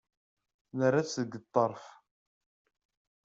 Nerra-tt deg ṭṭerf.